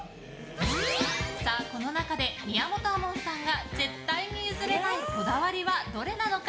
さあ、この中で宮本亞門さんが絶対に譲れないこだわりはどれなのか？